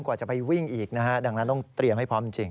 กว่าจะไปวิ่งอีกนะฮะดังนั้นต้องเตรียมให้พร้อมจริง